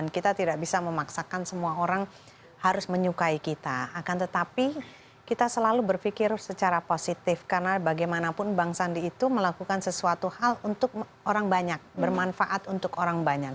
kita tidak bisa memaksakan semua orang harus menyukai kita akan tetapi kita selalu berpikir secara positif karena bagaimanapun bang sandi itu melakukan sesuatu hal untuk orang banyak bermanfaat untuk orang banyak